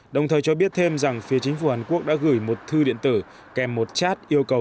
đồng thời cho biết thêm rằng phía chính phủ hàn quốc đã gửi một thư điện tử kèm một chat yêu cầu